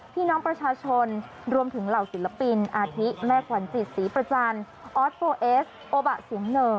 พี่น้องประชาชนรวมถึงเหล่าศิลปินอาทิแม่ขวัญจิตศรีประจันทร์ออสโฟเอสโอบะเสียงเหน่อ